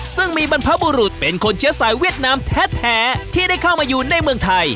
ซึ่งมีบรรพบุรุษเป็นคนเชื้อสายเวียดนามแท้ที่ได้เข้ามาอยู่ในเมืองไทย